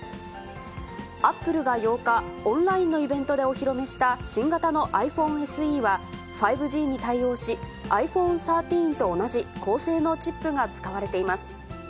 アップルが８日、オンラインのイベントでお披露目した新型のｉＰｈｏｎｅＳＥは、５Ｇに対応し、ｉＰｈｏｎｅ１３と同じ高性能チップが使われています。